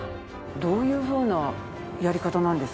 どういうふうなやり方なんですか？